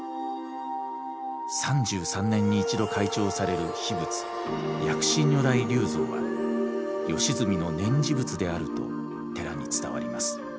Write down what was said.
３３年に一度開帳される秘仏薬師如来立像は義澄の念持仏であると寺に伝わります。